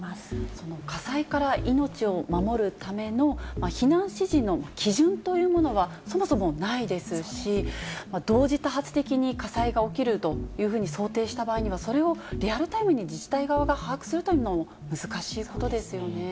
その火災から命を守るための避難指示の基準というものはそもそもないですし、同時多発的に火災が起きるというふうに想定した場合には、それをリアルタイムに自治体側が把握するというのも難しいことですよね。